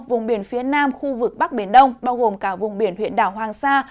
vùng biển phía nam khu vực bắc biển đông bao gồm cả vùng biển huyện đảo hoàng sa